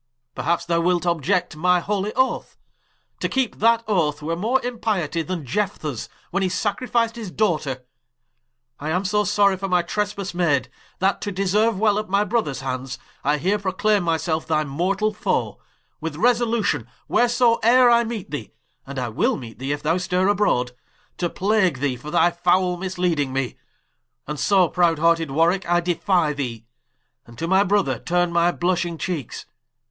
Perhaps thou wilt obiect my holy Oath: To keepe that Oath, were more impietie, Then Iephah, when he sacrific'd his Daughter. I am so sorry for my Trespas made, That to deserue well at my Brothers hands, I here proclayme my selfe thy mortall foe: With resolution, wheresoe're I meet thee, (As I will meet thee, if thou stirre abroad) To plague thee, for thy foule mis leading me. And so, prowd hearted Warwicke, I defie thee, And to my Brother turne my blushing Cheekes.